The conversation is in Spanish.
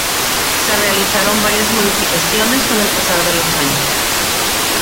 Se realizaron varias modificaciones con el pasar de los años.